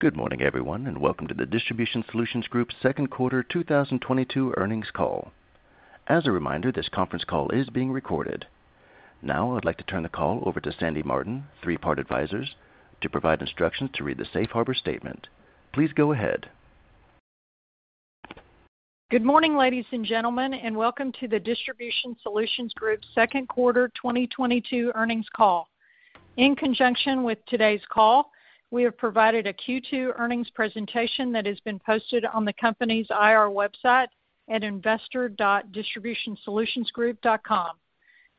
Good morning, everyone, and welcome to the Distribution Solutions Group Q2 2022 earnings call. As a reminder, this conference call is being recorded. Now I'd like to turn the call over to Sandra Martin, Three Part Advisors, to provide instructions to read the Safe Harbor statement. Please go ahead. Good morning, ladies and gentlemen, and welcome to the Distribution Solutions Group Q2 2022 earnings call. In conjunction with today's call, we have provided a Q2 earnings presentation that has been posted on the company's IR website at investor.distributionsolutionsgroup.com.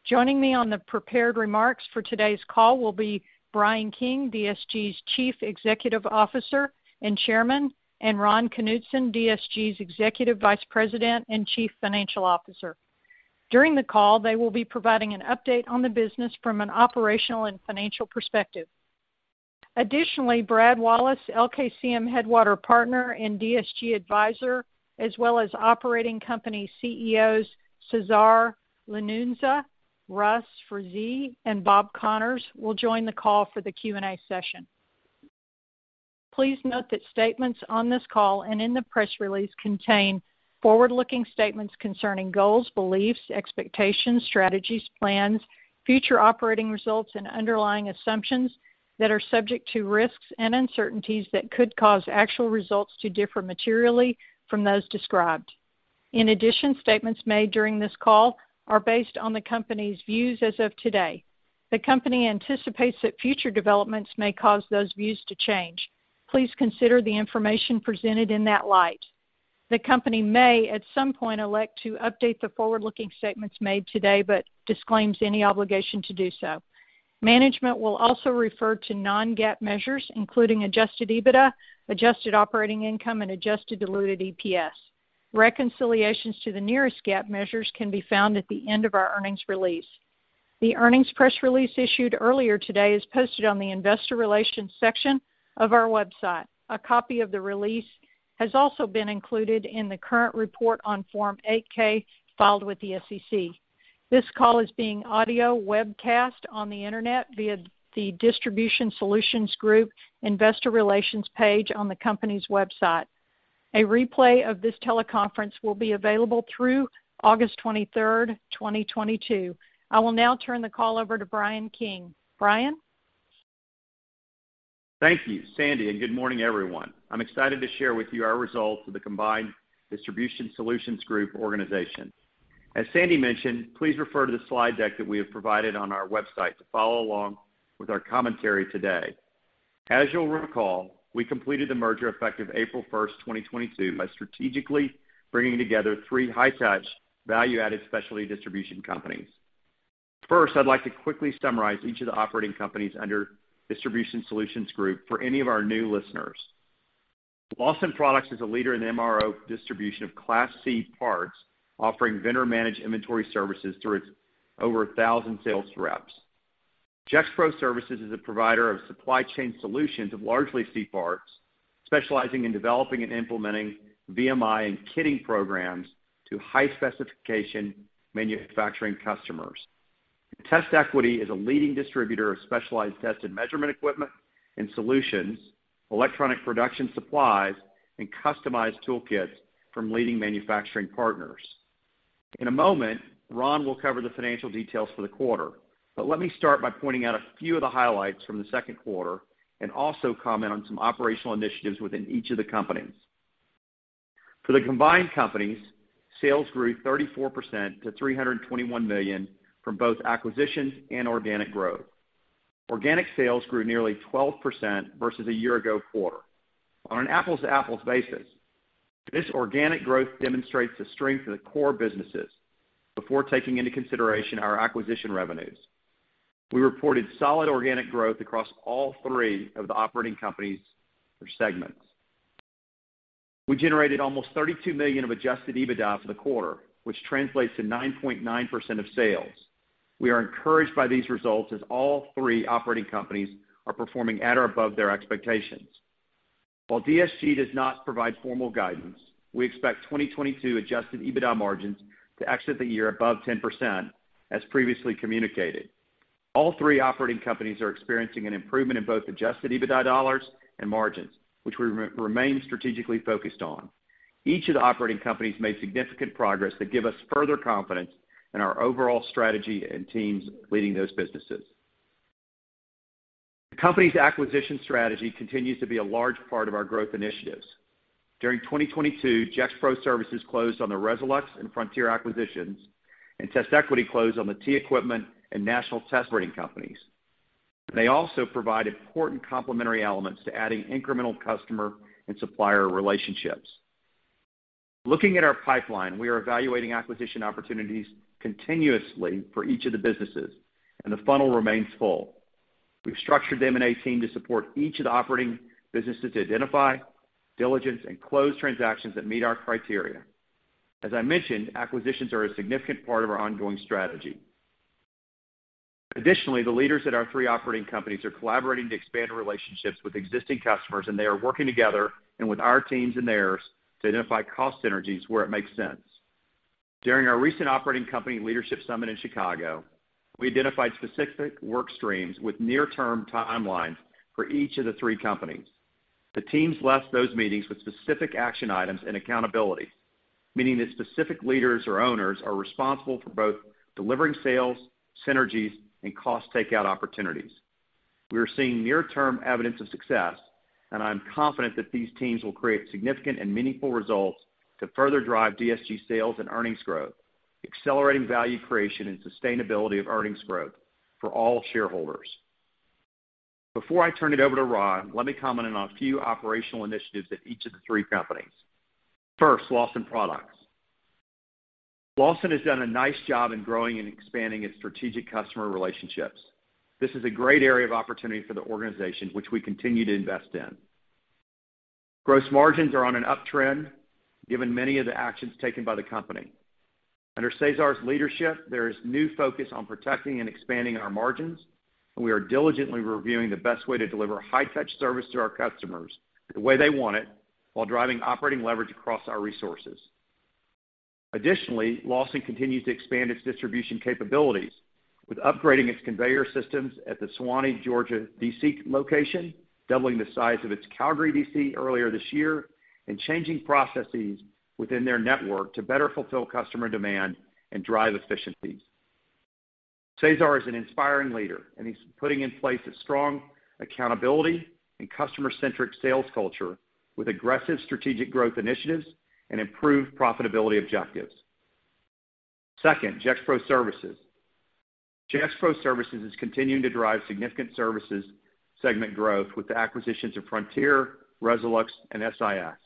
Joining me on the prepared remarks for today's call will be Bryan King, DSG's Chief Executive Officer and Chairman, and Ron Knutson, DSG's Executive Vice President and Chief Financial Officer. During the call, they will be providing an update on the business from an operational and financial perspective. Additionally, Brad Wallace, Partner and DSG Advisor, LKCM Headwater Investments, as well as operating company CEOs Cesar Lanuza, Russ Frazee, and Bob Connors will join the call for the Q&A session. Please note that statements on this call and in the press release contain forward-looking statements concerning goals, beliefs, expectations, strategies, plans, future operating results and underlying assumptions that are subject to risks and uncertainties that could cause actual results to differ materially from those described. In addition, statements made during this call are based on the company's views as of today. The company anticipates that future developments may cause those views to change. Please consider the information presented in that light. The company may, at some point, elect to update the forward-looking statements made today, but disclaims any obligation to do so. Management will also refer to non-GAAP measures, including adjusted EBITDA, adjusted operating income and adjusted diluted EPS. Reconciliations to the nearest GAAP measures can be found at the end of our earnings release. The earnings press release issued earlier today is posted on the investor relations section of our website. A copy of the release has also been included in the current report on Form 8-K filed with the SEC. This call is being audio webcast on the Internet via the Distribution Solutions Group investor relations page on the company's website. A replay of this teleconference will be available through 23 August 2022. I will now turn the call over to Bryan King. Bryan? Thank you, Sandy, and good morning, everyone. I'm excited to share with you our results of the combined Distribution Solutions Group organization. As Sandy mentioned, please refer to the slide deck that we have provided on our website to follow along with our commentary today. As you'll recall, we completed the merger effective 1 April 2022, by strategically bringing together three high-touch, value-added specialty distribution companies. First, I'd like to quickly summarize each of the operating companies under Distribution Solutions Group for any of our new listeners. Lawson Products is a leader in MRO distribution of Class C parts, offering vendor managed inventory services through its over 1,000 sales reps. Gexpro Services is a provider of supply chain solutions of largely C parts, specializing in developing and implementing VMI and kitting programs to high specification manufacturing customers. TestEquity is a leading distributor of specialized test and measurement equipment and solutions, electronic production supplies, and customized toolkits from leading manufacturing partners. In a moment, Ron will cover the financial details for the quarter. Let me start by pointing out a few of the highlights from the Q2 and also comment on some operational initiatives within each of the companies. For the combined companies, sales grew 34% to $321 million from both acquisitions and organic growth. Organic sales grew nearly 12% versus a year-ago quarter. On an apples-to-apples basis, this organic growth demonstrates the strength of the core businesses before taking into consideration our acquisition revenues. We reported solid organic growth across all three of the operating companies or segments. We generated almost $32 million of adjusted EBITDA for the quarter, which translates to 9.9% of sales. We are encouraged by these results as all three operating companies are performing at or above their expectations. While DSG does not provide formal guidance, we expect 2022 adjusted EBITDA margins to exit the year above 10%, as previously communicated. All three operating companies are experiencing an improvement in both adjusted EBITDA dollars and margins, which we remain strategically focused on. Each of the operating companies made significant progress that give us further confidence in our overall strategy and teams leading those businesses. The company's acquisition strategy continues to be a large part of our growth initiatives. During 2022, Gexpro Services closed on the Resolux and Frontier acquisitions, and TestEquity closed on the TEquipment and National Test Equipment companies. They also provide important complementary elements to adding incremental customer and supplier relationships. Looking at our pipeline, we are evaluating acquisition opportunities continuously for each of the businesses, and the funnel remains full. We've structured the M&A team to support each of the operating businesses to identify, diligence and close transactions that meet our criteria. As I mentioned, acquisitions are a significant part of our ongoing strategy. Additionally, the leaders at our three operating companies are collaborating to expand relationships with existing customers, and they are working together and with our teams and theirs to identify cost synergies where it makes sense. During our recent operating company leadership summit in Chicago, we identified specific work streams with near-term timelines for each of the three companies. The teams left those meetings with specific action items and accountability, meaning that specific leaders or owners are responsible for both delivering sales, synergies, and cost takeout opportunities. We are seeing near-term evidence of success, and I am confident that these teams will create significant and meaningful results to further drive DSG sales and earnings growth, accelerating value creation and sustainability of earnings growth for all shareholders. Before I turn it over to Ron, let me comment on a few operational initiatives at each of the three companies. First, Lawson Products. Lawson has done a nice job in growing and expanding its strategic customer relationships. This is a great area of opportunity for the organization, which we continue to invest in. Gross margins are on an uptrend, given many of the actions taken by the company. Under Cesar's leadership, there is new focus on protecting and expanding our margins, and we are diligently reviewing the best way to deliver high-touch service to our customers the way they want it while driving operating leverage across our resources. Additionally, Lawson continues to expand its distribution capabilities with upgrading its conveyor systems at the Suwanee, Georgia, DC location, doubling the size of its Calgary DC earlier this year, and changing processes within their network to better fulfill customer demand and drive efficiencies. Cesar is an inspiring leader, and he's putting in place a strong accountability and customer-centric sales culture with aggressive strategic growth initiatives and improved profitability objectives. Second, Gexpro Services. Gexpro Services is continuing to drive significant services segment growth with the acquisitions of Frontier, Resolux, and SIS.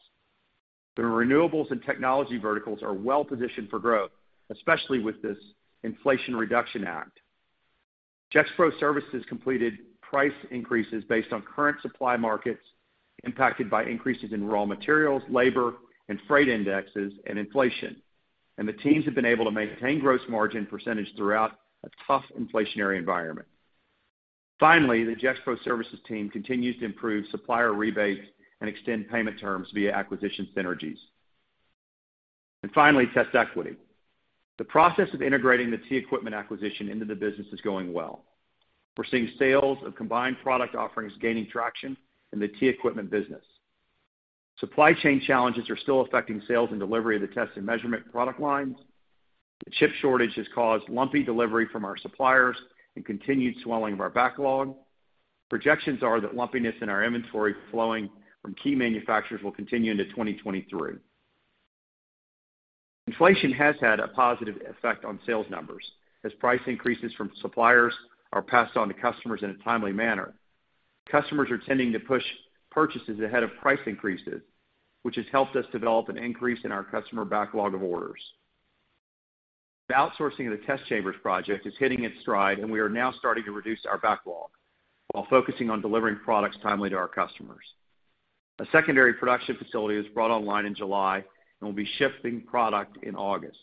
The renewables and technology verticals are well positioned for growth, especially with this Inflation Reduction Act. Gexpro Services completed price increases based on current supply markets impacted by increases in raw materials, labor, and freight indexes and inflation, and the teams have been able to maintain gross margin percentage throughout a tough inflationary environment. Finally, the Gexpro Services team continues to improve supplier rebates and extend payment terms via acquisition synergies. Finally, TestEquity. The process of integrating the TEquipment acquisition into the business is going well. We're seeing sales of combined product offerings gaining traction in the TEquipment business. Supply chain challenges are still affecting sales and delivery of the test and measurement product lines. The chip shortage has caused lumpy delivery from our suppliers and continued swelling of our backlog. Projections are that lumpiness in our inventory flowing from key manufacturers will continue into 2023. Inflation has had a positive effect on sales numbers as price increases from suppliers are passed on to customers in a timely manner. Customers are tending to push purchases ahead of price increases, which has helped us develop an increase in our customer backlog of orders. The outsourcing of the Test Chambers project is hitting its stride, and we are now starting to reduce our backlog while focusing on delivering products timely to our customers. A secondary production facility was brought online in July and will be shipping product in August.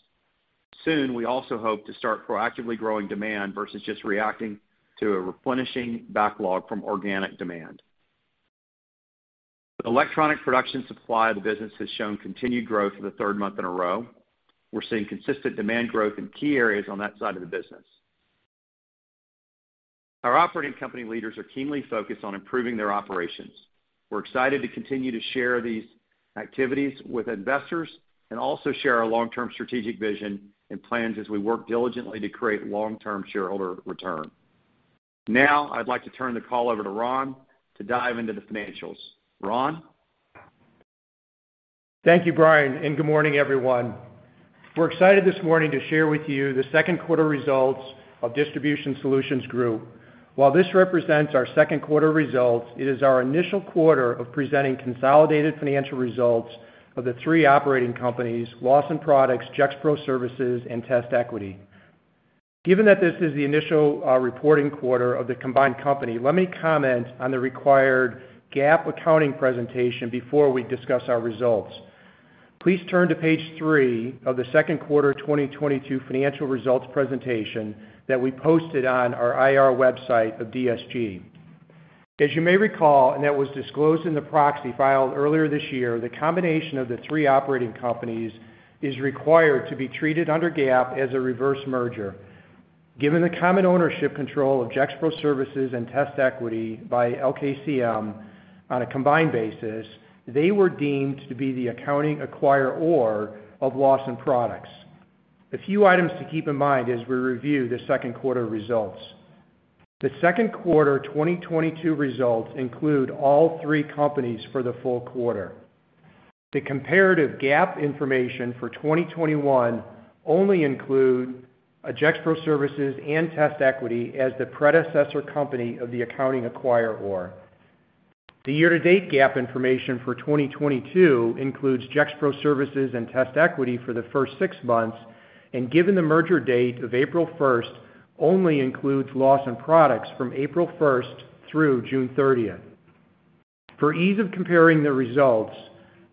Soon, we also hope to start proactively growing demand versus just reacting to a replenishing backlog from organic demand. The electronic production supply of the business has shown continued growth for the third month in a row. We're seeing consistent demand growth in key areas on that side of the business. Our operating company leaders are keenly focused on improving their operations. We're excited to continue to share these activities with investors and also share our long-term strategic vision and plans as we work diligently to create long-term shareholder return. Now, I'd like to turn the call over to Ron to dive into the financials. Ron? Thank you, Bryan, and good morning, everyone. We're excited this morning to share with you the Q2 results of Distribution Solutions Group. While this represents our Q2 results, it is our initial quarter of presenting consolidated financial results of the three operating companies, Lawson Products, Gexpro Services, and TestEquity. Given that this is the initial reporting quarter of the combined company, let me comment on the required GAAP accounting presentation before we discuss our results. Please turn to page three of the Q2 2022 financial results presentation that we posted on our IR website of DSG. As you may recall, and that was disclosed in the proxy filed earlier this year, the combination of the three operating companies is required to be treated under GAAP as a reverse merger. Given the common ownership control of Gexpro Services and TestEquity by LKCM on a combined basis, they were deemed to be the accounting acquirer of Lawson Products. A few items to keep in mind as we review the Q2 results. The Q2 2022 results include all three companies for the full quarter. The comparative GAAP information for 2021 only includes Gexpro Services and TestEquity as the predecessor company of the accounting acquirer. The year-to-date GAAP information for 2022 includes Gexpro Services and TestEquity for the first six months, and given the merger date of 1 April, only includes Lawson Products from 1 April through June 30. For ease of comparing the results,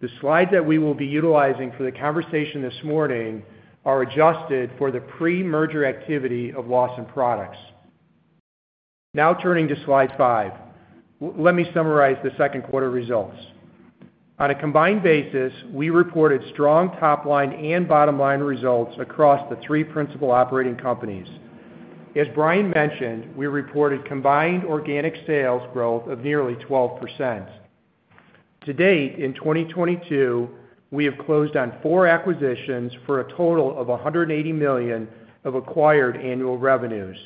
the slides that we will be utilizing for the conversation this morning are adjusted for the pre-merger activity of Lawson Products. Now turning to slide five. Let me summarize the Q2 results. On a combined basis, we reported strong top line and bottom line results across the three principal operating companies. As Bryan mentioned, we reported combined organic sales growth of nearly 12%. To date, in 2022, we have closed on four acquisitions for a total of $180 million of acquired annual revenues.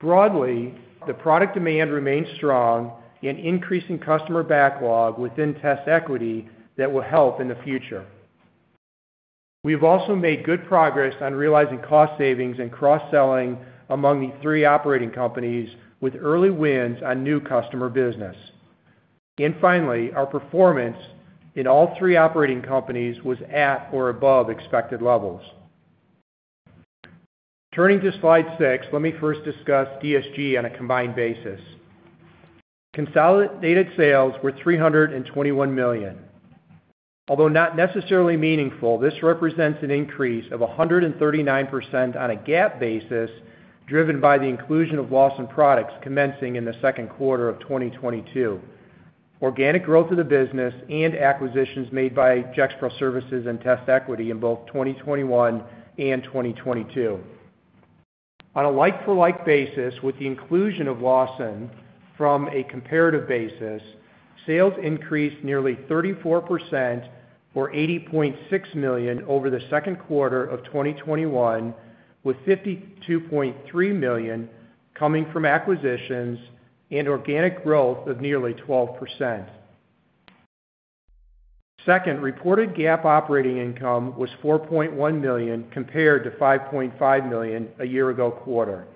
Broadly, the product demand remains strong with increasing customer backlog within TestEquity that will help in the future. We have also made good progress on realizing cost savings and cross-selling among the three operating companies with early wins on new customer business. Finally, our performance in all three operating companies was at or above expected levels. Turning to slide six, let me first discuss DSG on a combined basis. Consolidated sales were $321 million. Although not necessarily meaningful, this represents an increase of 139% on a GAAP basis, driven by the inclusion of Lawson Products commencing in the Q2 of 2022. Organic growth of the business and acquisitions made by Gexpro Services and TestEquity in both 2021 and 2022. On a like-for-like basis, with the inclusion of Lawson from a comparative basis, sales increased nearly 34% or $80.6 million over the Q2 of 2021, with $52.3 million coming from acquisitions and organic growth of nearly 12%. Second, reported GAAP operating income was $4.1 million compared to $5.5 million a year ago quarter.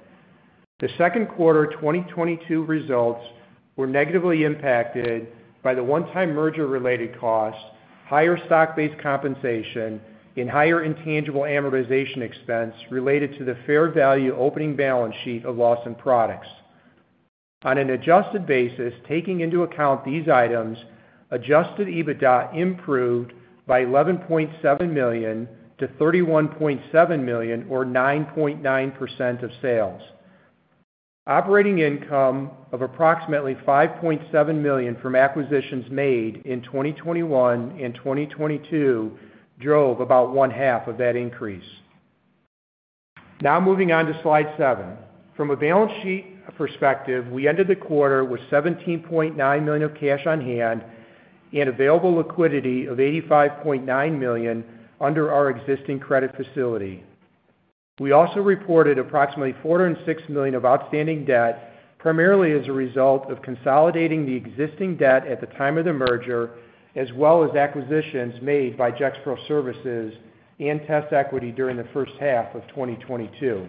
The Q2 2022 results were negatively impacted by the one-time merger related costs, higher stock-based compensation, and higher intangible amortization expense related to the fair value opening balance sheet of Lawson Products. On an adjusted basis, taking into account these items, adjusted EBITDA improved by $11.7 million to 31.7 million or 9.9% of sales. Operating income of approximately $5.7 million from acquisitions made in 2021 and 2022 drove about one half of that increase. Now moving on to slide seven. From a balance sheet perspective, we ended the quarter with $17.9 million of cash on hand and available liquidity of $85.9 million under our existing credit facility. We also reported approximately $406 million of outstanding debt, primarily as a result of consolidating the existing debt at the time of the merger, as well as acquisitions made by Gexpro Services and TestEquity during the first half of 2022.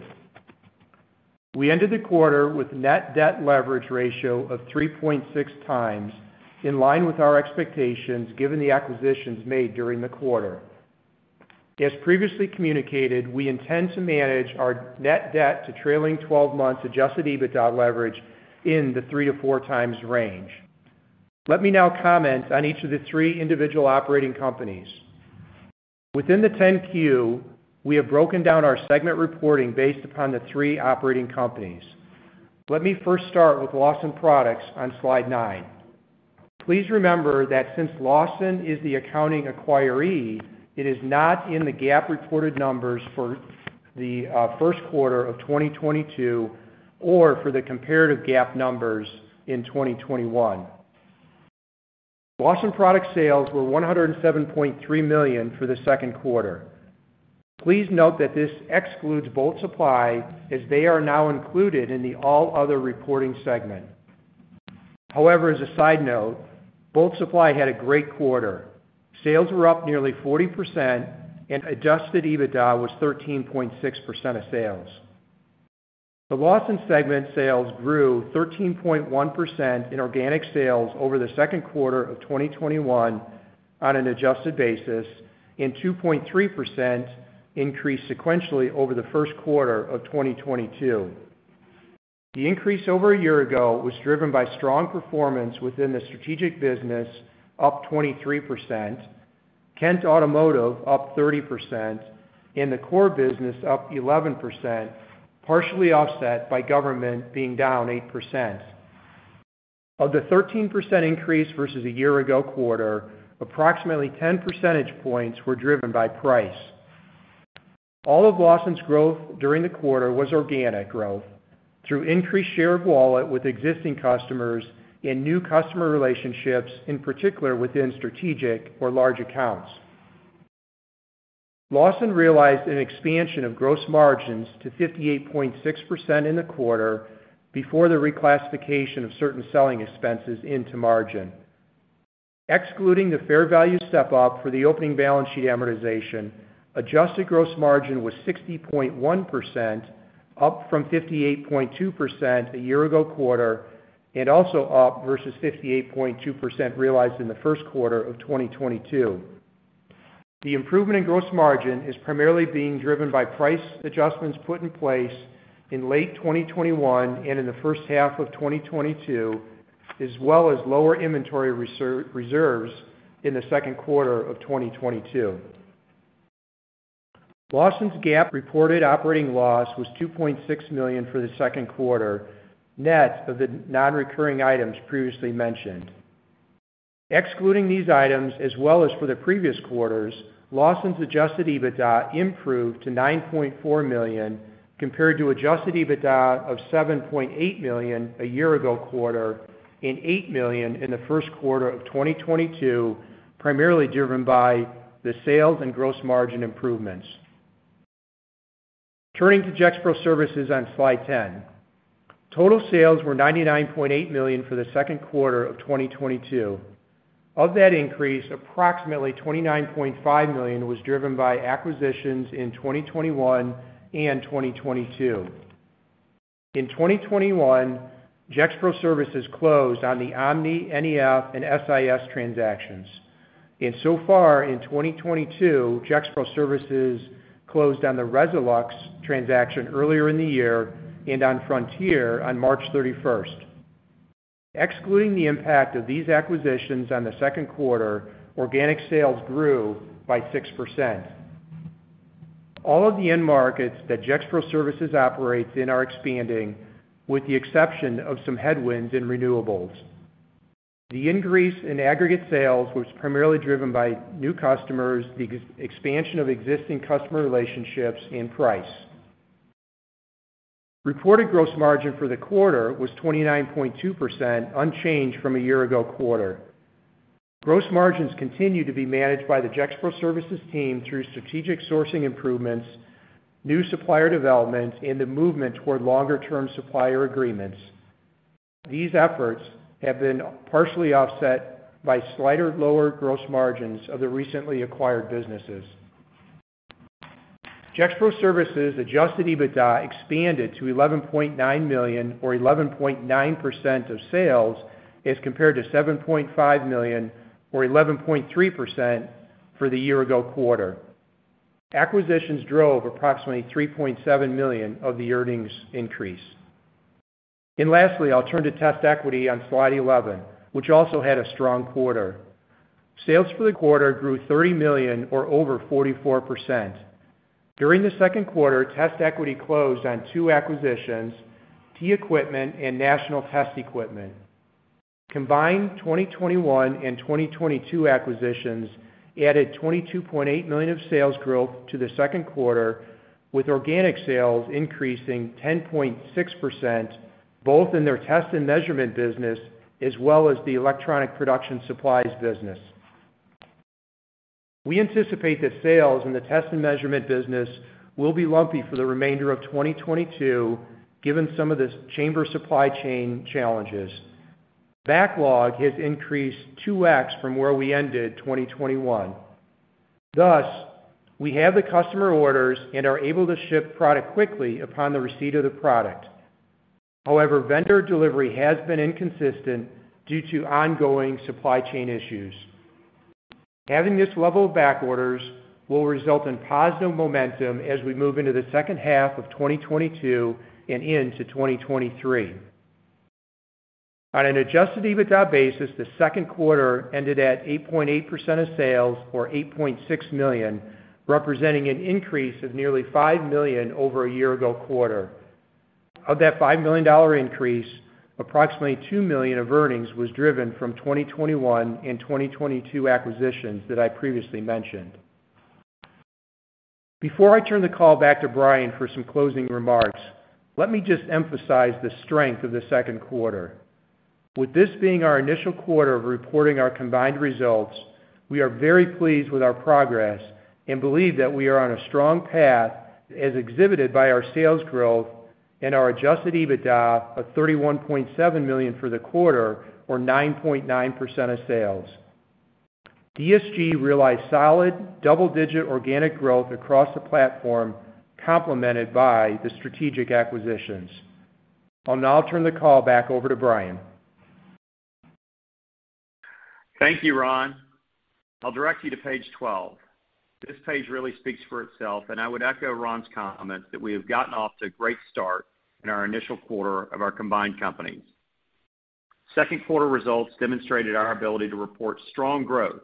We ended the quarter with net debt leverage ratio of 3.6x, in line with our expectations, given the acquisitions made during the quarter. As previously communicated, we intend to manage our net debt to trailing twelve months adjusted EBITDA leverage in the 3 to 4 times range. Let me now comment on each of the three individual operating companies. Within the 10-Q, we have broken down our segment reporting based upon the three operating companies. Let me first start with Lawson Products on slide nine. Please remember that since Lawson is the accounting acquiree, it is not in the GAAP reported numbers for the Q1 of 2022 or for the comparative GAAP numbers in 2021. Lawson Product sales were $107.3 million for the Q2. Please note that this excludes Bolt Supply as they are now included in the all other reporting segment. However, as a side note, Bolt Supply had a great quarter. Sales were up nearly 40% and adjusted EBITDA was 13.6% of sales. The Lawson segment sales grew 13.1% in organic sales over the Q2 of 2021 on an adjusted basis and 2.3% increased sequentially over the Q1 of 2022. The increase over a year ago was driven by strong performance within the strategic business, up 23%, Kent Automotive, up 30%, and the core business, up 11%, partially offset by government being down 8%. Of the 13% increase versus a year ago quarter, approximately 10 percentage points were driven by price. All of Lawson's growth during the quarter was organic growth through increased share of wallet with existing customers and new customer relationships, in particular within strategic or large accounts. Lawson realized an expansion of gross margins to 58.6% in the quarter before the reclassification of certain selling expenses into margin. Excluding the fair value step-up for the opening balance sheet amortization, adjusted gross margin was 60.1%, up from 58.2% a year ago quarter, and also up versus 58.2% realized in the Q1 of 2022. The improvement in gross margin is primarily being driven by price adjustments put in place in late 2021 and in the first half of 2022, as well as lower inventory reserves in the Q2 of 2022. Lawson’s GAAP reported operating loss was $2.6 million for the Q2, net of the non-recurring items previously mentioned. Excluding these items as well as for the previous quarters, Lawson's adjusted EBITDA improved to $9.4 million compared to adjusted EBITDA of $7.8 million a year-ago quarter and $8 million in the Q1 of 2022, primarily driven by the sales and gross margin improvements. Turning to Gexpro Services on slide 10. Total sales were $99.8 million for the Q2 of 2022. Of that increase, approximately $29.5 million was driven by acquisitions in 2021 and 2022. In 2021, Gexpro Services closed on the Omni, NEF, and SIS transactions. So far in 2022, Gexpro Services closed on the Resolux transaction earlier in the year and on Frontier on 31 March. Excluding the impact of these acquisitions on the Q2, organic sales grew by 6%. All of the end markets that Gexpro Services operates in are expanding, with the exception of some headwinds in renewables. The increase in aggregate sales was primarily driven by new customers, the expansion of existing customer relationships, and price. Reported gross margin for the quarter was 29.2%, unchanged from a year-ago quarter. Gross margins continue to be managed by the Gexpro Services team through strategic sourcing improvements, new supplier development, and the movement toward longer-term supplier agreements. These efforts have been partially offset by slightly lower gross margins of the recently acquired businesses. Gexpro Services adjusted EBITDA expanded to $11.9 million or 11.9% of sales as compared to $7.5 million or 11.3% for the year-ago quarter. Acquisitions drove approximately $3.7 million of the earnings increase. Lastly, I'll turn to TestEquity on slide 11, which also had a strong quarter. Sales for the quarter grew $30 million or over 44%. During the Q2, TestEquity closed on two acquisitions, TEquipment and National Test Equipment. Combined 2021 and 2022 acquisitions added $22.8 million of sales growth to the Q2, with organic sales increasing 10.6%, both in their test and measurement business as well as the electronic production supplies business. We anticipate that sales in the test and measurement business will be lumpy for the remainder of 2022, given some of this chamber supply chain challenges. Backlog has increased 2x from where we ended 2021. Thus, we have the customer orders and are able to ship product quickly upon the receipt of the product. However, vendor delivery has been inconsistent due to ongoing supply chain issues. Having this level of back orders will result in positive momentum as we move into the second half of 2022 and into 2023. On an adjusted EBITDA basis, the Q2 ended at 8.8% of sales or $8.6 million, representing an increase of nearly $5 million over a year-ago quarter. Of that $5 million increase, approximately $2 million of earnings was driven from 2021 and 2022 acquisitions that i previously mentioned. Before I turn the call back to Bryan for some closing remarks, let me just emphasize the strength of the Q2. With this being our initial quarter of reporting our combined results, we are very pleased with our progress and believe that we are on a strong path as exhibited by our sales growth and our adjusted EBITDA of $31.7 million for the quarter or 9.9% of sales. DSG realized solid double-digit organic growth across the platform, complemented by the strategic acquisitions. I'll now turn the call back over to Bryan. Thank you, Ron. I'll direct you to page 12. This page really speaks for itself, and I would echo Ron's comments that we have gotten off to a great start in our initial quarter of our combined companies. Q2 results demonstrated our ability to report strong growth,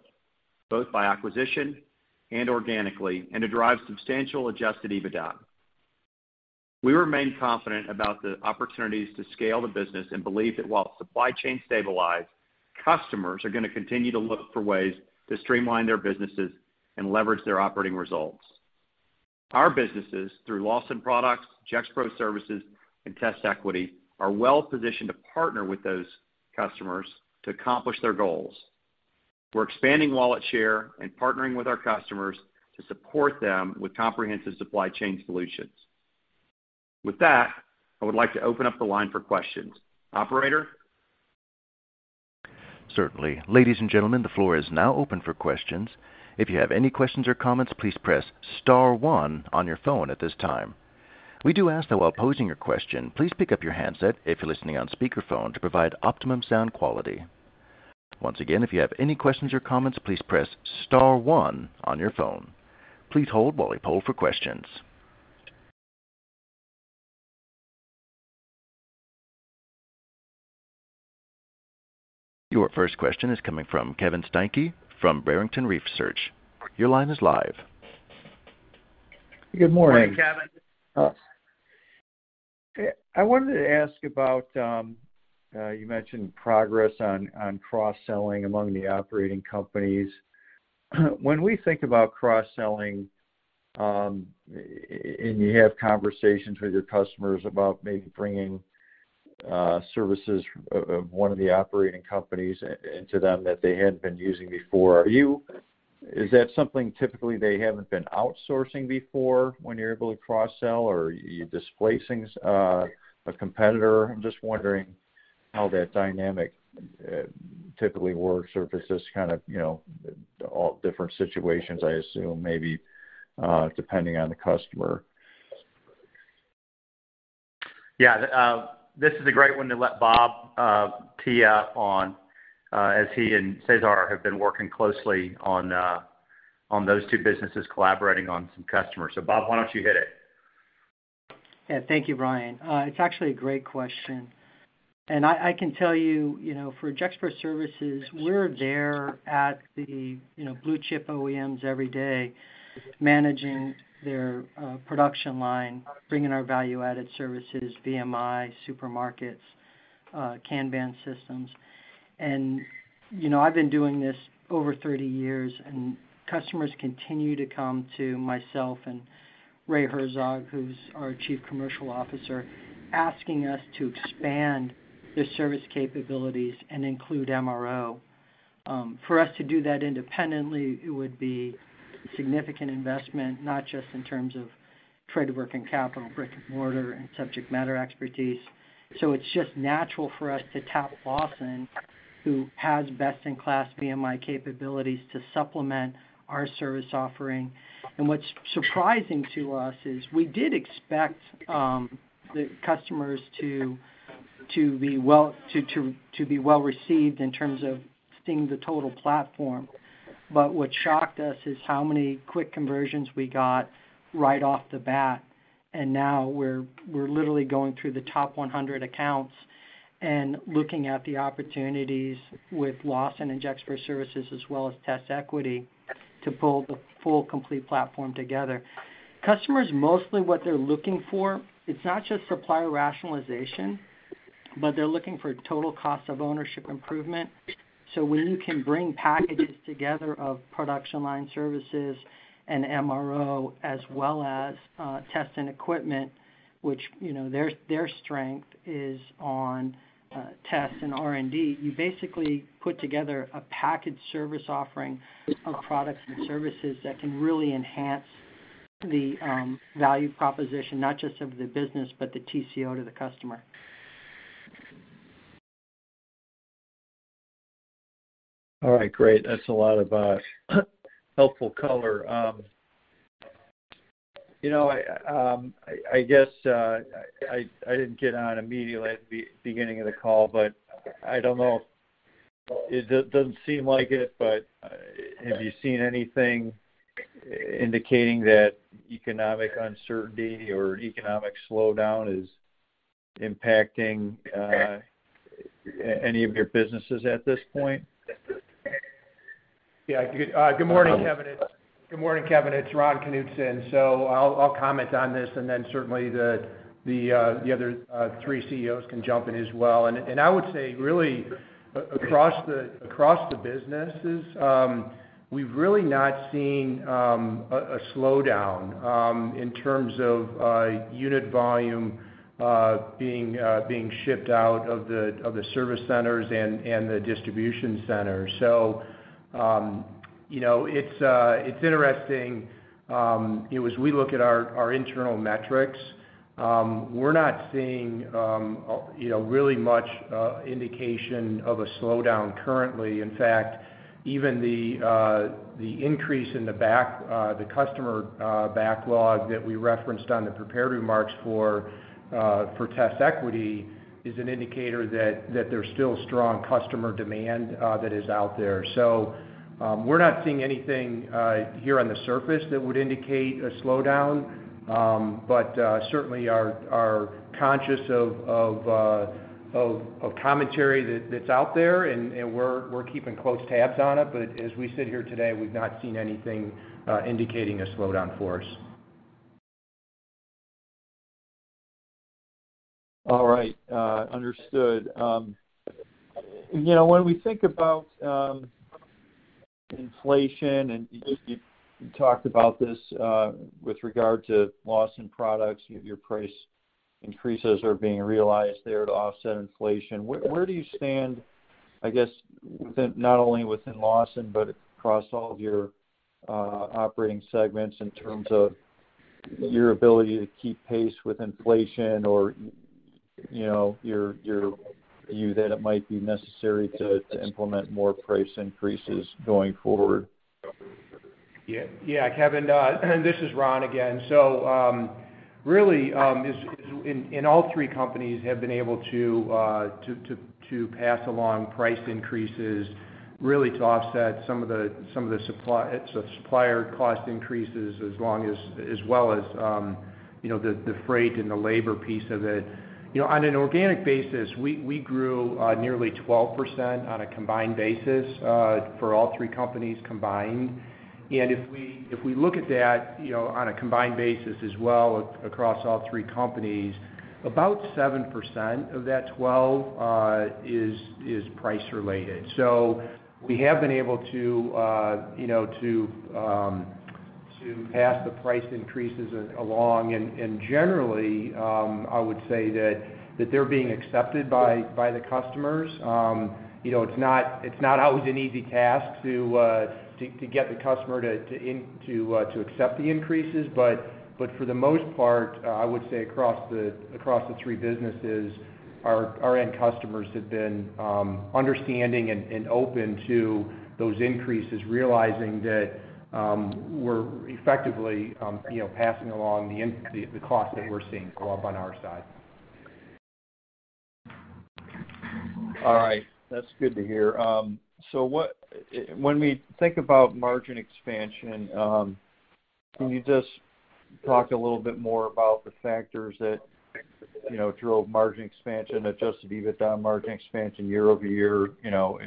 both by acquisition and organically, and to drive substantial adjusted EBITDA. We remain confident about the opportunities to scale the business and believe that while supply chain stabilize, customers are gonna continue to look for ways to streamline their businesses and leverage their operating results. Our businesses, through Lawson Products, Gexpro Services, and TestEquity, are well-positioned to partner with those customers to accomplish their goals. We're expanding wallet share and partnering with our customers to support them with comprehensive supply chain solutions. With that, I would like to open up the line for questions. Operator? Certainly. Ladies and gentlemen, the floor is now open for questions. If you have any questions or comments, please press star one on your phone at this time. We do ask, though, while posing your question, please pick up your handset if you're listening on speakerphone to provide optimum sound quality. Once again, if you have any questions or comments, please press star one on your phone. Please hold while we poll for questions. Your first question is coming from Kevin Steinke from Barrington Research. Your line is live. Good morning. Good morning, Kevin. I wanted to ask about you mentioned progress on cross-selling among the operating companies. When we think about cross-selling, and you have conversations with your customers about maybe bringing services of one of the operating companies into them that they hadn't been using before, is that something typically they haven't been outsourcing before when you're able to cross-sell, or are you displacing a competitor? I'm just wondering how that dynamic typically works or if it's just kind of, you know, all different situations, I assume maybe depending on the customer. Yeah. This is a great one to let Bob tee up on, as he and Cesar have been working closely on those two businesses collaborating on some customers. Bob, why don't you hit it? Yeah. Thank you, Bryan. It's actually a great question. I can tell you know, for Gexpro Services, we're there at the, you know, blue chip OEMs every day, managing their production line, bringing our value-added services, VMI, supermarkets, Kanban systems. You know, I've been doing this over 30 years, and customers continue to come to myself and Ray Herzog, who's our Chief Commercial Officer, asking us to expand their service capabilities and include MRO. For us to do that independently, it would be significant investment, not just in terms of trade working capital, brick-and-mortar, and subject matter expertise. It's just natural for us to tap Lawson, who has best-in-class VMI capabilities to supplement our service offering. What's surprising to us is we did expect the customers to be well-received in terms of seeing the total platform. What shocked us is how many quick conversions we got right off the bat. Now we're literally going through the top 100 accounts and looking at the opportunities with Lawson and Gexpro Services as well as TestEquity to pull the full complete platform together. Customers, mostly what they're looking for, it's not just supplier rationalization, but they're looking for total cost of ownership improvement. When you can bring packages together of production line services and MRO, as well as test and equipment, which, you know, their strength is on test and R&D, you basically put together a package service offering of products and services that can really enhance the value proposition, not just of the business, but the TCO to the customer. All right, great. That's a lot of helpful color. You know, I guess, I didn't get on immediately at the beginning of the call, but I don't know if it doesn't seem like it, but have you seen anything indicating that economic uncertainty or economic slowdown is impacting any of your businesses at this point? Yeah. Good morning, Kevin. It's Ron Knutson. I'll comment on this, and then certainly the other three CEOs can jump in as well and i would say really across the businesses, we've really not seen a slowdown in terms of unit volume being shipped out of the service centers and the distribution centers. You know, it's interesting as we look at our internal metrics. We're not seeing really much indication of a slowdown currently in fact, even the increase in the customer backlog that we referenced on the prepared remarks for TestEquity is an indicator that there's still strong customer demand that is out there. We're not seeing anything here on the surface that would indicate a slowdown, but certainly are conscious of commentary that's out there, and we're keeping close tabs on it as we sit here today, we've not seen anything indicating a slowdown for us. All right. Understood. You know, when we think about inflation, and you talked about this with regard to Lawson Products, your price increases are being realized there to offset inflation. Where do you stand, I guess, within not only Lawson, but across all of your operating segments in terms of your ability to keep pace with inflation or, you know, your view that it might be necessary to implement more price increases going forward? Yeah. Yeah, Kevin, this is Ron again. Really, all three companies have been able to to pass along price increases really to offset some of the supply, the supplier cost increases as well as, you know, the freight and the labor piece of it. You know, on an organic basis, we grew nearly 12% on a combined basis for all three companies combined. If we look at that, you know, on a combined basis as well across all three companies, about 7% of that 12% is price related. We have been able to, you know, to pass the price increases along. Generally, I would say that they're being accepted by the customers. You know, it's not always an easy task to get the customer to accept the increases. For the most part, I would say across the three businesses, our end customers have been understanding and open to those increases, realizing that we're effectively, you know, passing along the cost that we're seeing go up on our side. All right. That's good to hear. When we think about margin expansion, can you just talk a little bit more about the factors that, you know, drove margin expansion, adjusted EBITDA margin expansion year-over-year, you know,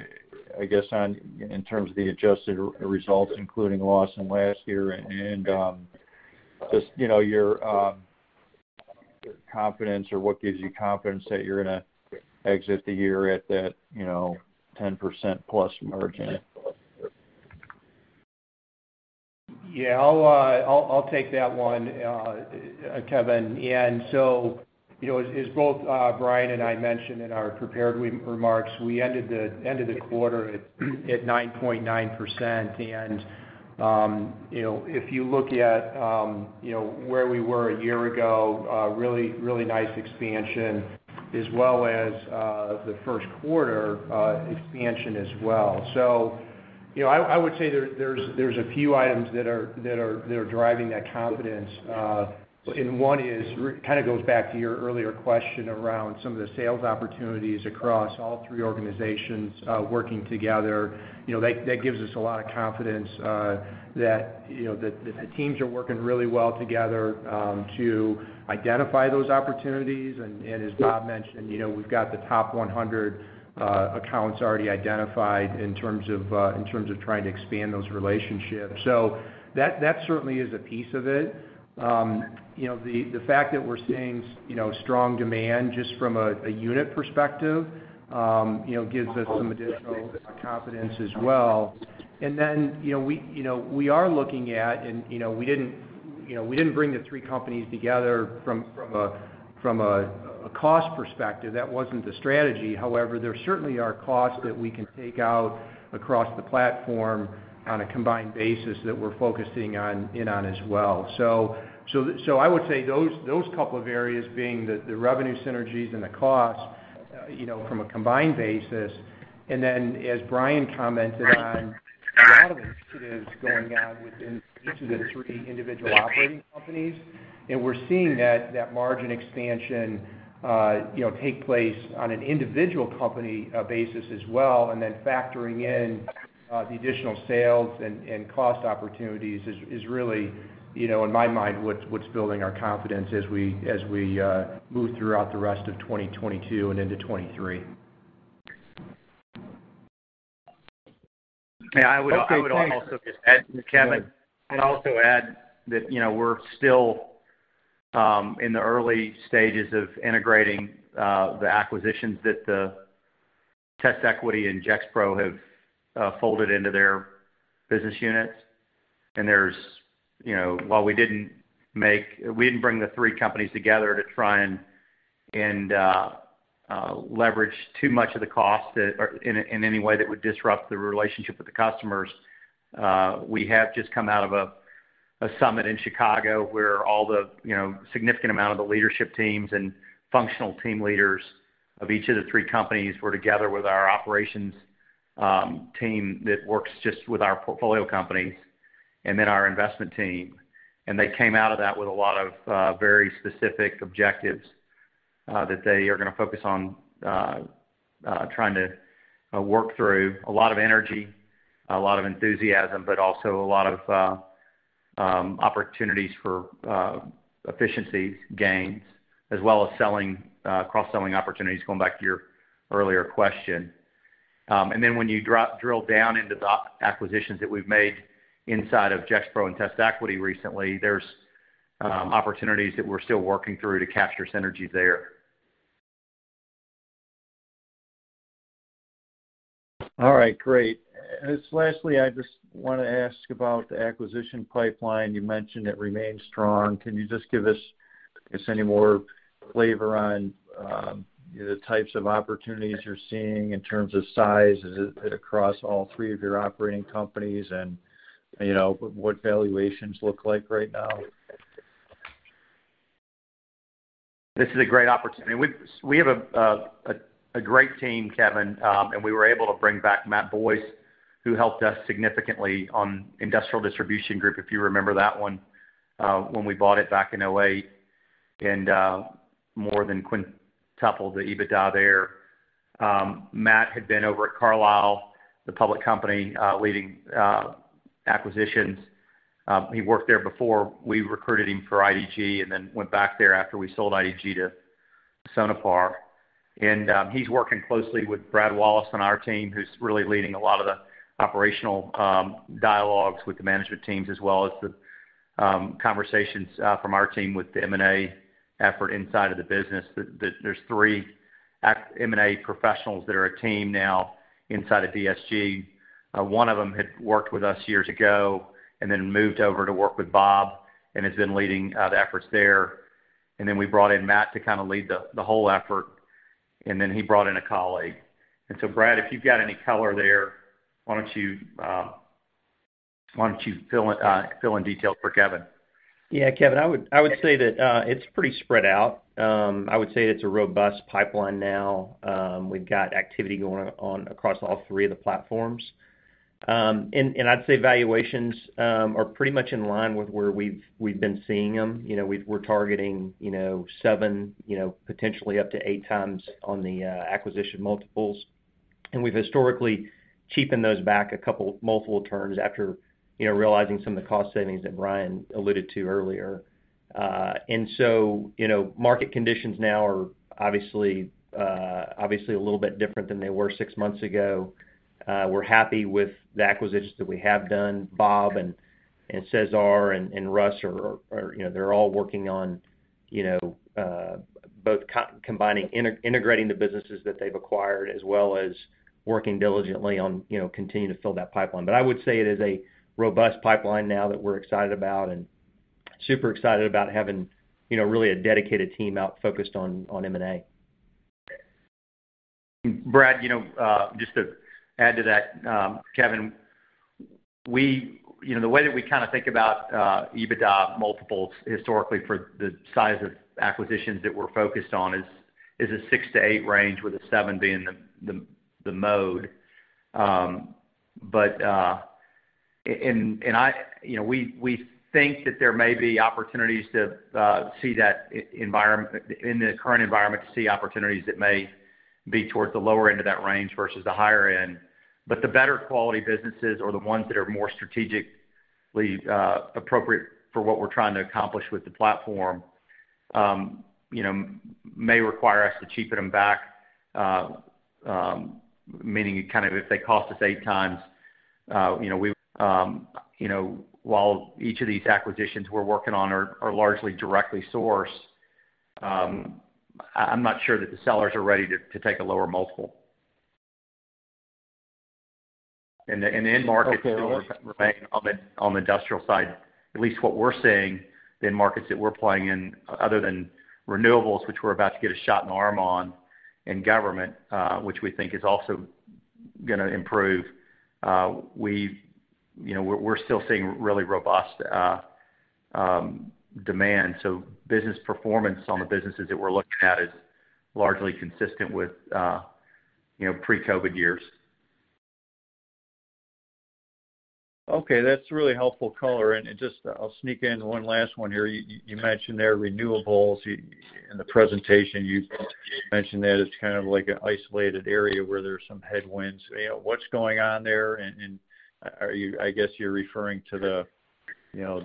I guess, in terms of the adjusted results, including loss in last year. Just, you know, your confidence or what gives you confidence that you're gonna exit the year at that, you know, 10%+ margin? Yeah, I'll take that one, Kevin. You know, as both Bryan and i mentioned in our prepared remarks, we ended the quarter at 9.9%. You know, if you look at where we were a year ago, really nice expansion as well as the Q1 expansion as well. You know, I would say there's a few items that are driving that confidence. One is kind of goes back to your earlier question around some of the sales opportunities across all three organizations working together. You know, that gives us a lot of confidence that the teams are working really well together to identify those opportunities. As Bob mentioned, you know, we've got the top 100 accounts already identified in terms of trying to expand those relationships. That certainly is a piece of it. You know, the fact that we're seeing you know, strong demand just from a unit perspective, you know, gives us some additional confidence as well. You know, we are looking at, you know, we didn't bring the three companies together from a cost perspective that wasn't the strategy. However, there certainly are costs that we can take out across the platform on a combined basis that we're focusing on as well. I would say those couple of areas being the revenue synergies and the cost, you know, from a combined basis. As Bryan commented on, a lot of initiatives going on within each of the three individual operating companies, and we're seeing that margin expansion, you know, take place on an individual company basis as well and factoring in the additional sales and cost opportunities is really, you know, in my mind, what's building our confidence as we move throughout the rest of 2022 and into 2023. Okay. Thank you. Yeah, I would also just add, Kevin. I'd also add that, you know, we're still in the early stages of integrating the acquisitions that TestEquity and Gexpro have folded into their business units. There's, you know, while we didn't bring the three companies together to try and leverage too much of the cost or in any way that would disrupt the relationship with the customers. We have just come out of a summit in Chicago where all the, you know, significant amount of the leadership teams and functional team leaders of each of the three companies were together with our operations team that works just with our portfolio companies and then our investment team. They came out of that with a lot of very specific objectives that they are gonna focus on trying to work through. A lot of energy, a lot of enthusiasm, but also a lot of opportunities for efficiency gains, as well as selling, cross-selling opportunities, going back to your earlier question. When you drill down into the acquisitions that we've made inside of Gexpro and TestEquity recently, there's opportunities that we're still working through to capture synergies there. All right, great. Lastly, I just wanna ask about the acquisition pipeline you mentioned it remains strong. Can you just give us, I guess, any more flavor on, you know, the types of opportunities you're seeing in terms of size? Is it across all three of your operating companies? And, you know, what valuations look like right now? This is a great opportunity. We have a great team, Kevin, and we were able to bring back Matt Boyce, who helped us significantly on Industrial Distribution Group, if you remember that one, when we bought it back in 2008, and more than quintupled the EBITDA there. Matt had been over at Carlisle, the public company, leading acquisitions. He worked there before we recruited him for IDG and then went back there after we sold IDG to Sonepar. He's working closely with Brad Wallace on our team, who's really leading a lot of the operational dialogues with the management teams as well as the conversations from our team with the M&A effort inside of the business there's three M&A professionals that are a team now inside of DSG. One of them had worked with us years ago and then moved over to work with Bob and has been leading the efforts there. We brought in Matt to kind of lead the whole effort, and then he brought in a colleague. Brad, if you've got any color there, why don't you fill in details for Kevin? Yeah. Kevin, I would say that it's pretty spread out. I would say it's a robust pipeline now. We've got activity going on across all three of the platforms. I'd say valuations are pretty much in line with where we've been seeing them you know, we're targeting, you know, seven, you know, potentially up to eight times on the acquisition multiples. We've historically cheapened those back a couple multiple turns after, you know, realizing some of the cost savings that Bryan alluded to earlier. You know, market conditions now are obviously a little bit different than they were six months ago. We're happy with the acquisitions that we have done. Bob and Cesar and Russ are, you know, they're all working on, you know, both combining, integrating the businesses that they've acquired, as well as working diligently on, you know, continuing to fill that pipeline i would say it is a robust pipeline now that we're excited about and super excited about having, you know, really a dedicated team out focused on M&A. Brad, you know, just to add to that, Kevin. You know, the way that we kind of think about EBITDA multiples historically for the size of acquisitions that we're focused on is a six to eight range with a seven being the mode. You know, we think that there may be opportunities to see that in the current environment, to see opportunities that may be towards the lower end of that range versus the higher end. The better quality businesses or the ones that are more strategically appropriate for what we're trying to accomplish with the platform, you know, may require us to cheapen them back, meaning kind of if they cost us eight times, you know, while each of these acquisitions we're working on are largely directly sourced, I'm not sure that the sellers are ready to take a lower multiple. The end markets still remain on the industrial side. At least what we're seeing in markets that we're playing in, other than renewables, which we're about to get a shot in the arm on, and government, which we think is also gonna improve, you know, we're still seeing really robust demand. Business performance on the businesses that we're looking at is largely consistent with, you know, pre-COVID years. Okay. That's really helpful color. Just I'll sneak in one last one here. You mentioned the renewables. In the presentation, you mentioned that it's kind of like an isolated area where there's some headwinds you know, what's going on there? And I guess you're referring to the, you know,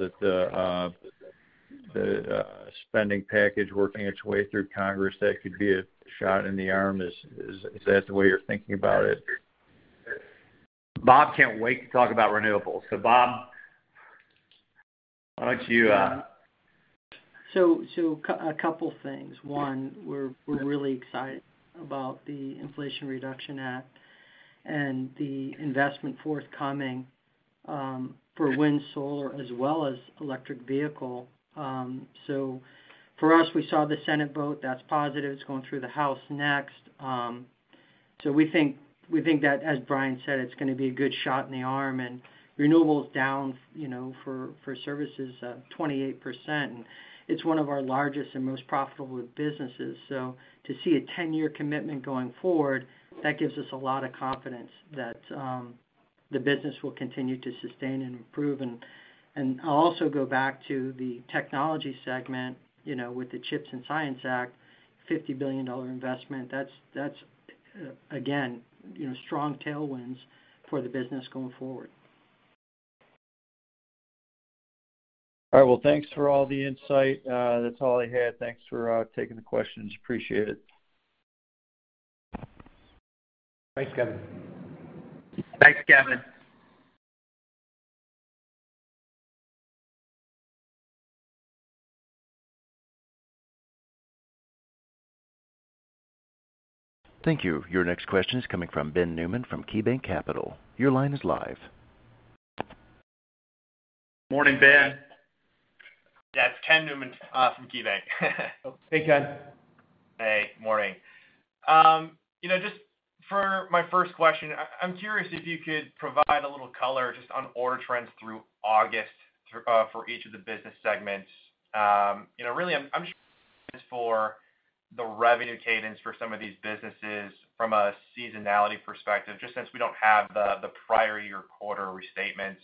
the spending package working its way through Congress that could be a shot in the arm. Is that the way you're thinking about it? Bob can't wait to talk about renewables. Bob, why don't you? A couple things. One, we're really excited about the Inflation Reduction Act and the investment forthcoming for wind solar as well as electric vehicle. For us, we saw the Senate vote that's positive it's going through the House next. We think that, as Bryan said, it's gonna be a good shot in the arm and renewables down, you know, for services, 28%. And it's one of our largest and most profitable businesses. To see a 10 year commitment going forward, that gives us a lot of confidence that the business will continue to sustain and improve. I'll also go back to the technology segment, you know, with the CHIPS and Science Act, $50 billion investment. That's, again, you know, strong tailwinds for the business going forward. All right. Well, thanks for all the insight. That's all I had thanks for taking the questions. Appreciate it. Thanks, Kevin. Thanks, Kevin. Thank you. Your next question is coming from Ken Newman from KeyBanc Capital Markets. Your line is live. Morning, Ken. Yeah, it's Ken Newman from KeyBanc. Hey, Ken. Hey. Morning. You know, just for my first question, I'm curious if you could provide a little color just on order trends through August for each of the business segments. You know, really I'm just for the revenue cadence for some of these businesses from a seasonality perspective, just since we don't have the prior year quarter restatements.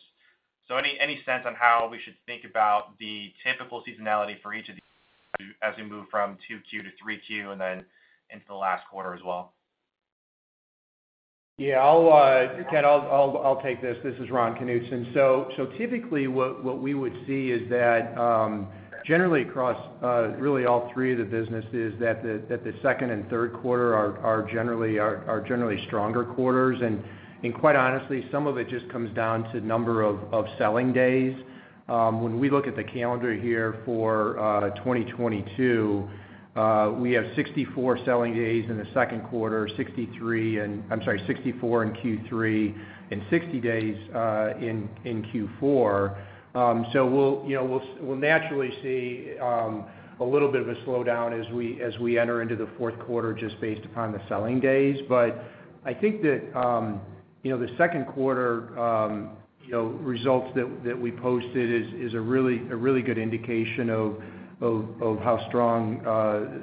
Any sense on how we should think about the typical seasonality for each of these? As we move from Q2 to Q3 and then into the last quarter as well. Yeah, Ken, I'll take this. This is Ron Knutson. Typically what we would see is that generally across really all three of the businesses the second and Q3 are generally stronger quarters. Quite honestly, some of it just comes down to number of selling days. When we look at the calendar here for 2022, we have 64 selling days in the Q2, 64 in Q3, and 60 days in Q4. We'll naturally see a little bit of a slowdown as we enter into the Q4 just based upon the selling days. I think that, you know, the Q2, you know, results that we posted is a really good indication of how strong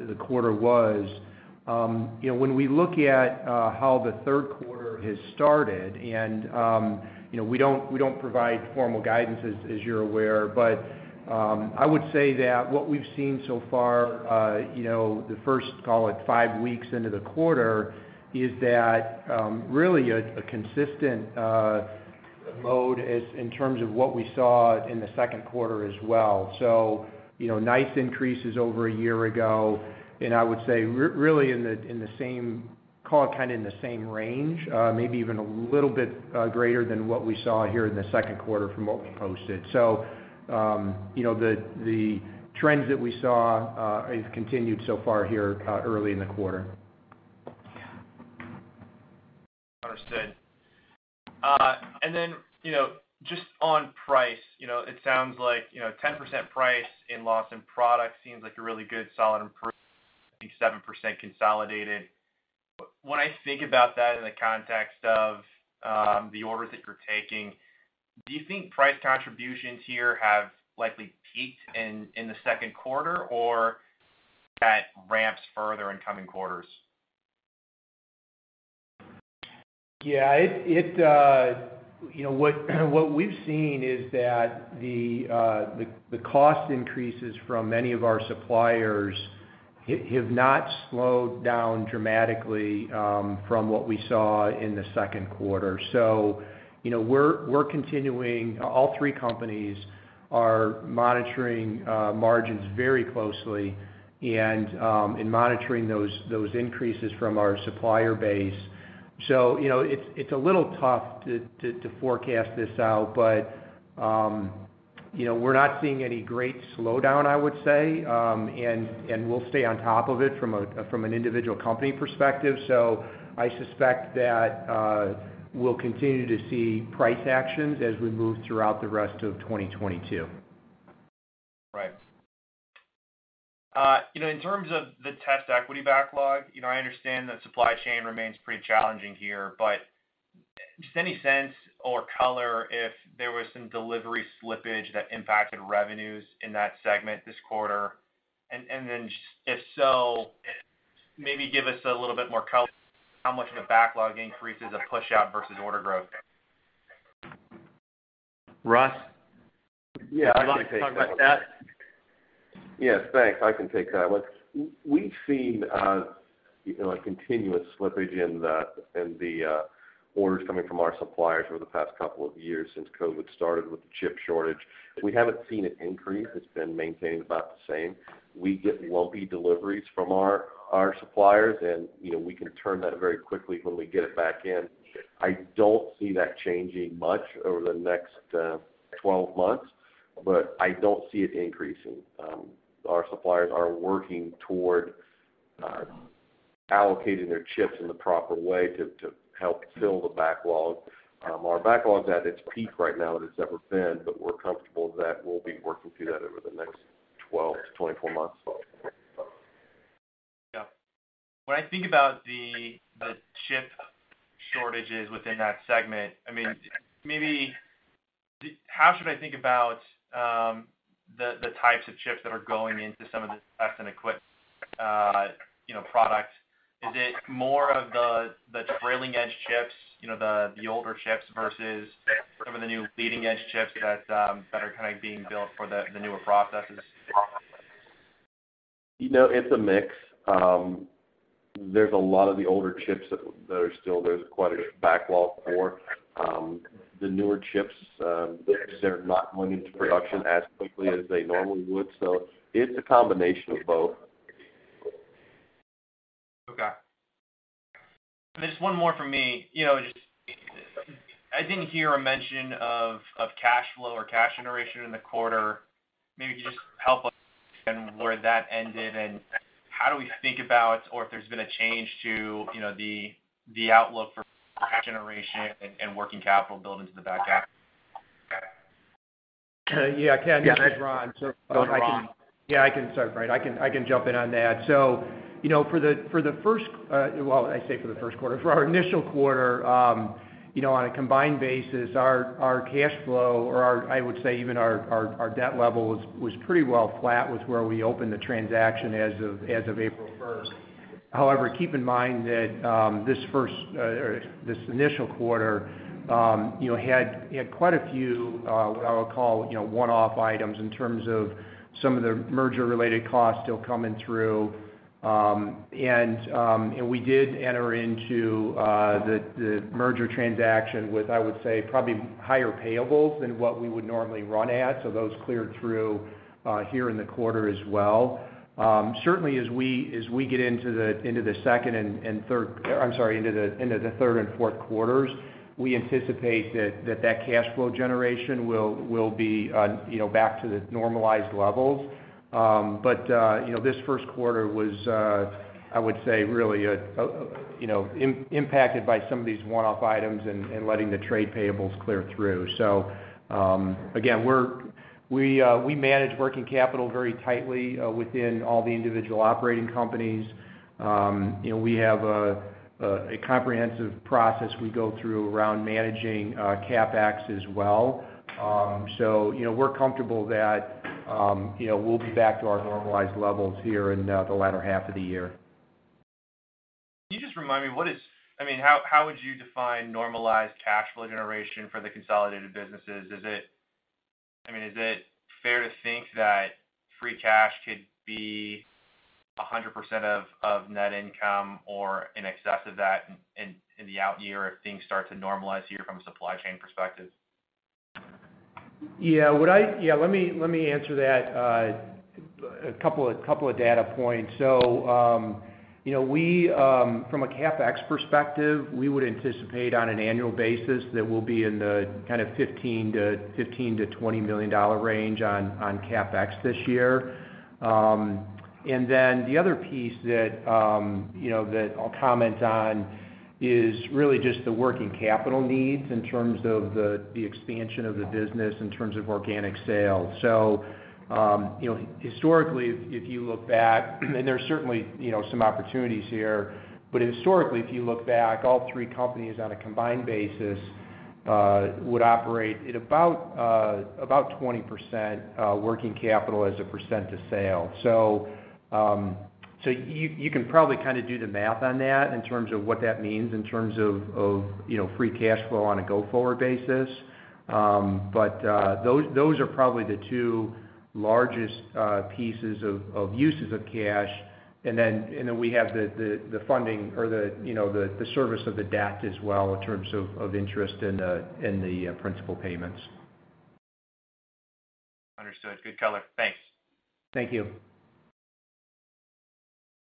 the quarter was. You know, when we look at how the Q3 has started and, you know, we don't provide formal guidance as you're aware, but, I would say that what we've seen so far, you know, the first, call it five weeks into the quarter, is that really a consistent mode in terms of what we saw in the Q2 as well. You know, nice increases over a year ago, and I would say really in the same, call it kind of in the same range, maybe even a little bit greater than what we saw here in the Q2 from what we posted. You know, the trends that we saw have continued so far here early in the quarter. Understood. You know, just on price, you know, it sounds like, you know, 10% pricing in Lawson Products seems like a really good solid improvement, I think 7% consolidated. When I think about that in the context of the orders that you're taking, do you think price contributions here have likely peaked in the Q2? or that ramps further in coming quarters? You know, what we've seen is that the cost increases from many of our suppliers have not slowed down dramatically from what we saw in the Q2. You know, we're continuing. All three companies are monitoring margins very closely and in monitoring those increases from our supplier base. You know, it's a little tough to forecast this out. You know, we're not seeing any great slowdown, I would say, and we'll stay on top of it from an individual company perspective. I suspect that we'll continue to see price actions as we move throughout the rest of 2022. Right. You know, in terms of the TestEquity backlog, you know, I understand that supply chain remains pretty challenging here, but just any sense or color if there was some delivery slippage that impacted revenues in that segment this quarter? If so, maybe give us a little bit more color how much the backlog increase is a push out versus order growth? Russ? Yeah, I can take that. Would you like to talk about that? Yes. Thanks. I can take that. We've seen, you know, a continuous slippage in the orders coming from our suppliers over the past couple of years since COVID started with the chip shortage. We haven't seen it increase it's been maintained about the same. We get lumpy deliveries from our suppliers and, you know, we can turn that very quickly when we get it back in. I don't see that changing much over the next 12 months, but I don't see it increasing. Our suppliers are working toward allocating their chips in the proper way to help fill the backlog. Our backlog is at its peak right now than it's ever been, but we're comfortable that we'll be working through that over the next 12 to 24 months. Yeah. When I think about the chip shortages within that segment, I mean, maybe how should I think about the types of chips that are going into some of the test and equipment, you know, products? Is it more of the trailing edge chips, you know, the older chips versus some of the new leading edge chips that are kind of being built for the newer processes? You know, it's a mix. There's a lot of the older chips that are still, there's quite a backlog for. The newer chips, they're not going into production as quickly as they normally would. It's a combination of both. Okay. Just one more for me. You know, just I didn't hear a mention of cash flow or cash generation in the quarter. Maybe just help us understand where that ended and how do we think about or if there's been a change to, you know, the outlook for cash generation and working capital build into the back half? Yeah, Ken, this is Ron. Go ahead, Ron. Yeah, I can start right i can jump in on that. You know, for the first, well, I say for the Q1, for our initial quarter, you know, on a combined basis, our cash flow or our, I would say even our debt level was pretty well flat with where we opened the transaction as of 1 April. However, keep in mind that this initial quarter, you know, had, you know, quite a few what I would call, you know, one-off items in terms of some of the merger-related costs still coming through. We did enter into the merger transaction with, I would say, probably higher payables than what we would normally run at those cleared through here in the quarter as well. Certainly as we get into the Q3 and Q4s, we anticipate that cash flow generation will be, you know, back to the normalized levels. You know, this Q1 was, I would say, really, you know, impacted by some of these one-off items and letting the trade payables clear through. Again, we manage working capital very tightly within all the individual operating companies. You know, we have a comprehensive process we go through around managing CapEx as well. You know, we're comfortable that, you know, we'll be back to our normalized levels here in the latter half of the year. Can you just remind me, I mean, how would you define normalized cash flow generation for the consolidated businesses? Is it, I mean, is it fair to think that free cash could be 100% of net income or in excess of that in the out year if things start to normalize here from a supply chain perspective? Yeah. Let me answer that. A couple of data points. You know, we from a CapEx perspective would anticipate on an annual basis that we'll be in the kind of $15 to 20 million range on CapEx this year. And then the other piece that you know that I'll comment on is really just the working capital needs in terms of the expansion of the business in terms of organic sales. You know, historically, if you look back, and there's certainly you know some opportunities here, but historically, if you look back, all three companies on a combined basis would operate at about 20% working capital as a percent of sales. You can probably kinda do the math on that in terms of what that means in terms of, you know, free cash flow on a go-forward basis. Those are probably the two largest pieces of uses of cash. We have the funding or the, you know, the service of the debt as well in terms of interest and the principal payments. Understood. Good color. Thanks. Thank you.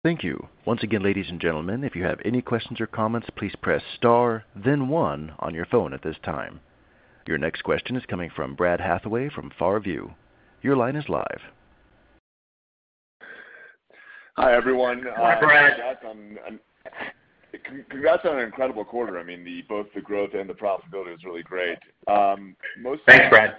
Thank you. Once again, ladies and gentlemen, if you have any questions or comments, please press star then one on your phone at this time. Your next question is coming from Brad Hathaway from Far View. Your line is live. Hi, everyone. Hi, Brad. Congrats on an incredible quarter. I mean, both the growth and the profitability is really great. Thanks, Brad.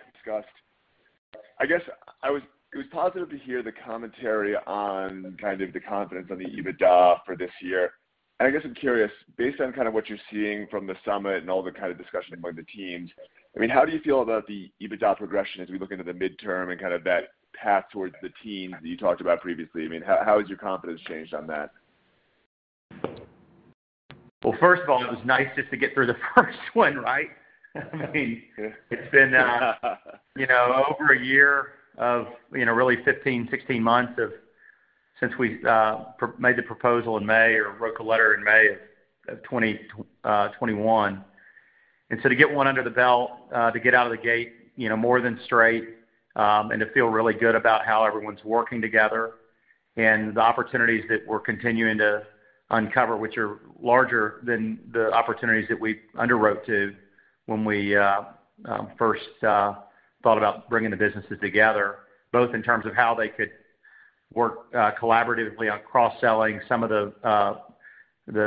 It was positive to hear the commentary on kind of the confidence on the EBITDA for this year. I guess I'm curious, based on kind of what you're seeing from the summit and all the kind of discussion among the teams, I mean, how do you feel about the EBITDA progression as we look into the medium term and kind of that path towards the teens that you talked about previously? I mean, how has your confidence changed on that? Well, first of all, it was nice just to get through the first one, right? I mean, it's been, you know, really 15, 16 months since we made the proposal in May or wrote the letter in May of 2021. To get one under the belt, to get out of the gate, you know, more than straight, and to feel really good about how everyone's working together and the opportunities that we're continuing to uncover, which are larger than the opportunities that we underwrote to when we first thought about bringing the businesses together. Both in terms of how they could work collaboratively on cross-selling some of the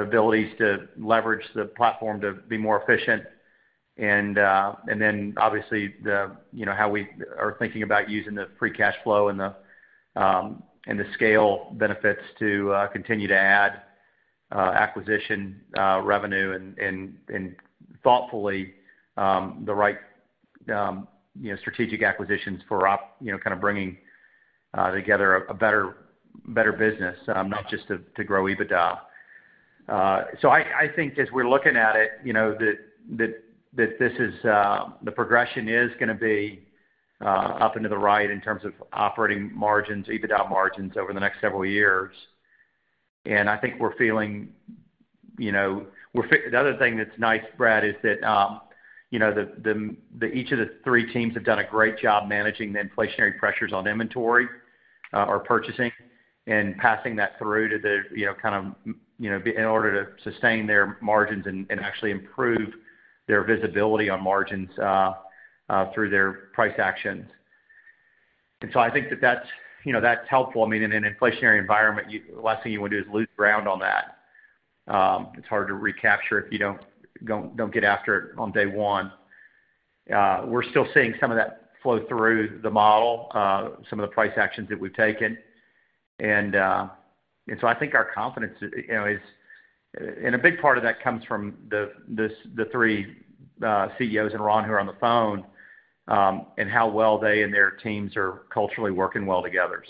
abilities to leverage the platform to be more efficient and then obviously the, you know, how we are thinking about using the free cash flow and the scale benefits to continue to add acquisition revenue and thoughtfully the right, you know, strategic acquisitions for you know, kind of bringing together a better business, not just to grow EBITDA. I think as we're looking at it, you know, that this is the progression is gonna be up into the right in terms of operating margins, EBITDA margins over the next several years. The other thing that's nice, Brad, is that, you know, each of the three teams have done a great job managing the inflationary pressures on inventory or purchasing and passing that through to the, you know, be it in order to sustain their margins and actually improve their visibility on margins through their price actions. I think that that's, you know, that's helpful i mean, in an inflationary environment, the last thing you wanna do is lose ground on that. It's hard to recapture if you don't get after it on day one. We're still seeing some of that flow through the model, some of the price actions that we've taken. I think our confidence is, you know. A big part of that comes from the three CEOs and Ron who are on the phone, and how well they and their teams are culturally working well together.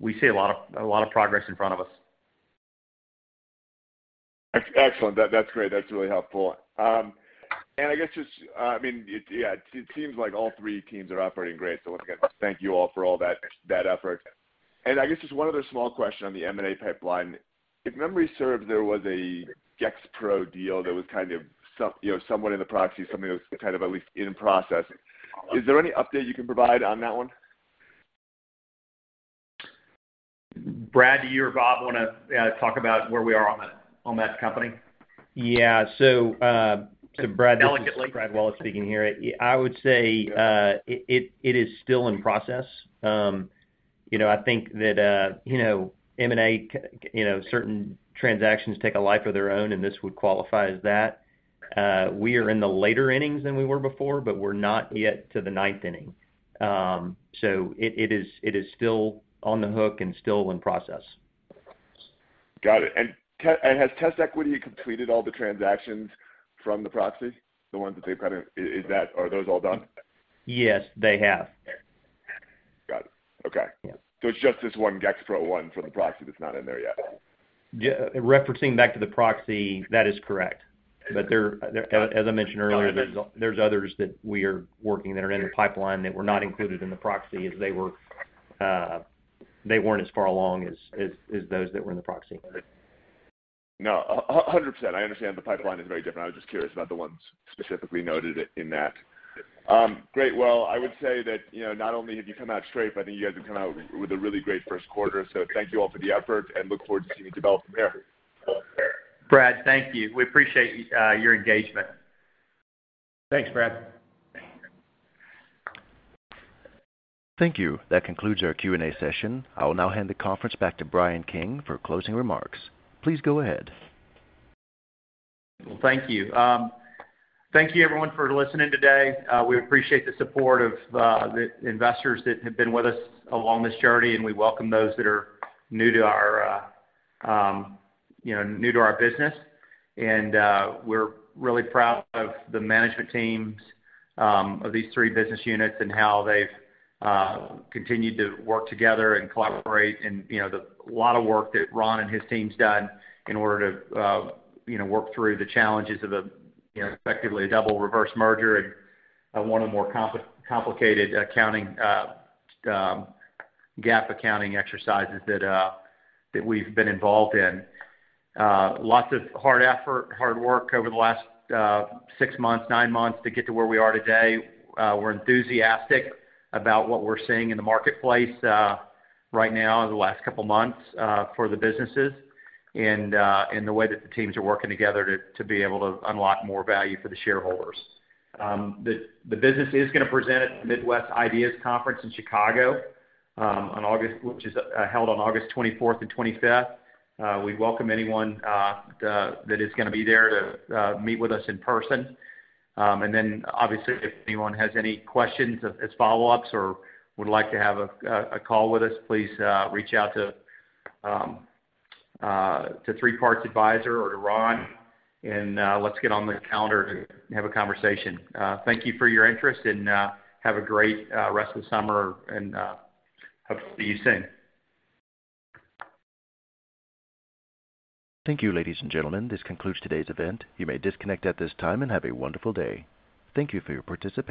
We see a lot of progress in front of us. Excellent that's great that's really helpful. I guess just, yeah, it seems like all three teams are operating great, so once again, thank you all for all that effort. I guess just one other small question on the M&A pipeline. If memory serves, there was a Gexpro deal that was kind of you know, somewhat in the proxy, something that was kind of at least in process. Is there any update you can provide on that one? Brad, do you or Bob wanna talk about where we are on that company? Yeah. Brad- Delicate link. I would say, it is still in process. You know, I think that, you know, M&A, you know, certain transactions take a life of their own, and this would qualify as that. We are in the later innings than we were before, but we're not yet to the nineteen-ning. It is still on the hook and still in process. Got it. Has TestEquity completed all the transactions from the proxy, the ones that they've had? Are those all done? Yes, they have. Got it. Okay. Yes. It's just this one, Gexpro one from the proxy that's not in there yet. Yeah. Referencing back to the proxy, that is correct. There, as I mentioned earlier, there's others that we are working that are in the pipeline that were not included in the proxy as they were, they weren't as far along as those that were in the proxy. No, 100%. I understand the pipeline is very different i was just curious about the ones specifically noted in that. Great well, I would say that, you know, not only have you come out straight, but I think you guys have come out with a really great Q1 thank you all for the effort, and look forward to seeing you develop from there. Brad, thank you. We appreciate your engagement. Thanks, Brad. Thank you. That concludes our Q&A session. I will now hand the conference back to Bryan King for closing remarks. Please go ahead. Well, thank you. Thank you everyone for listening today. We appreciate the support of the investors that have been with us along this journey, and we welcome those that are new to our, you know, new to our business. We're really proud of the management teams of these three business units and how they've continued to work together and collaborate and, you know, the lot of work that Ron and his team's done in order to, you know, work through the challenges of, you know, effectively a double reverse merger and one of the more complicated accounting, GAAP accounting exercises that we've been involved in. Lots of hard effort, hard work over the last six months, nine months to get to where we are today. We're enthusiastic about what we're seeing in the marketplace right now in the last couple months for the businesses and the way that the teams are working together to be able to unlock more value for the shareholders. The business is gonna present at the Midwest IDEAS Investor Conference in Chicago, which is held on 24 August and 25 August. We welcome anyone that is gonna be there to meet with us in person. Obviously, if anyone has any questions as follow-ups or would like to have a call with us, please reach out to Three Part Advisors or to Ron, and let's get on the calendar to have a conversation. Thank you for your interest, and have a great rest of the summer and hope to see you soon. Thank you, ladies and gentlemen. This concludes today's event. You may disconnect at this time, and have a wonderful day. Thank you for your participation.